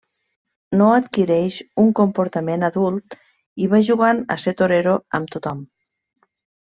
No adquireix un comportament adult i va jugant a ser torero amb tothom.